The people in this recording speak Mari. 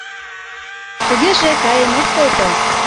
Тугеже, каен ок колто.